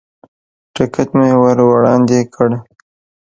ټکټ مې ور وړاندې کړ.